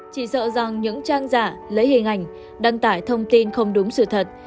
chỉ sợ rằng những trang giả lấy hình ảnh đăng tải thông tin không đúng sự thật